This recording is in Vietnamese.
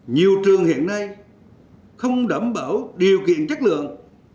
nhiều trường hiện nay không đảm bảo điều kiện chất lượng